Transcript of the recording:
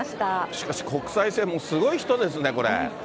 しかし、国際線もすごい人ですね、これ。